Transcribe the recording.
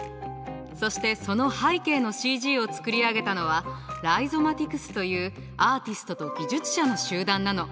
そしてその背景のＣＧを作り上げたのはライゾマティクスというアーティストと技術者の集団なの。